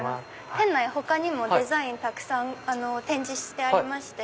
店内他にもデザインたくさん展示してありまして。